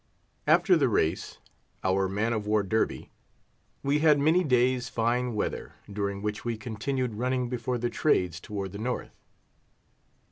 After the race (our man of war Derby) we had many days fine weather, during which we continued running before the Trades toward the north.